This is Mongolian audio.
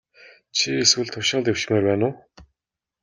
Чи эсвэл тушаал дэвшмээр байна уу?